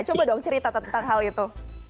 coba dong cerita tentang hal itu